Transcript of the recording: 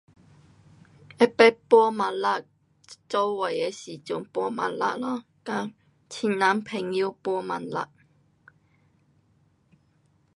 有曾报 mata, 一起的时阵报 mata 咯。跟亲人朋友报 mata